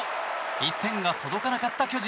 １点が届かなかった巨人。